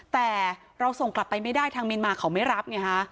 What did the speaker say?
แต่เราส่งกลับไปไม่ได้ทางเมียนมาเขาไม่รับไงฮะ